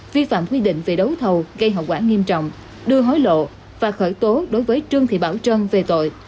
vi phạm quy định về đấu thầu gây hậu quả nghiêm trọng đưa hối lộ và khởi tố đối với trương thị bảo trân về tội